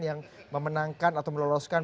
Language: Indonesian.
yang memenangkan atau meloloskan